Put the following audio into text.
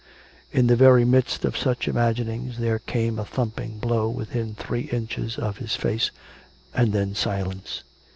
In the very midst of such imaginings there came a thumping blow within three inches of his face, and then silence.